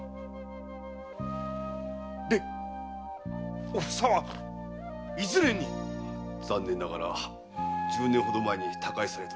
でおふさはいずれに⁉残念ながら十年ほど前に他界されております。